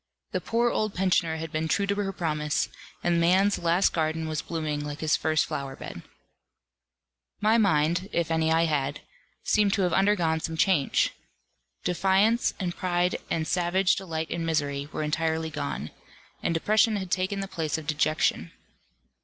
The poor old pensioner had been true to her promise, and man's last garden was blooming like his first flower bed. My mind (if any I had) seemed to have undergone some change. Defiance, and pride, and savage delight in misery, were entirely gone; and depression had taken the place of dejection.